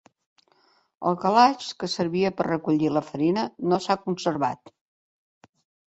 El calaix que servia per recollir la farina no s'ha conservat.